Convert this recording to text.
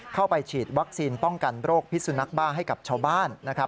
เข้าไปฉีดวัคซีนป้องกันโรคพิสุนักบ้าให้กับชาวบ้านนะครับ